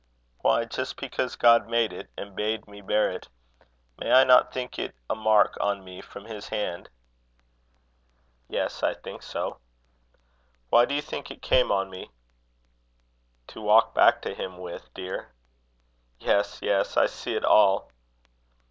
"Why, just because God made it, and bade me bear it. May I not think it is a mark on me from his hand?" "Yes, I think so." "Why do you think it came on me?" "To walk back to Him with, dear." "Yes, yes; I see it all."